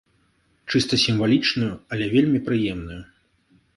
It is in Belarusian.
Чыста сімвалічную, але вельмі прыемную.